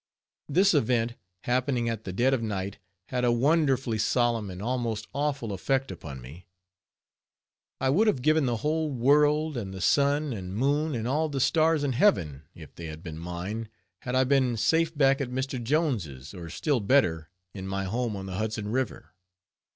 This event, happening at the dead of night, had a wonderfully solemn and almost awful effect upon me. I would have given the whole world, and the sun and moon, and all the stars in heaven, if they had been mine, had I been safe back at Mr. Jones', or still better, in my home on the Hudson River.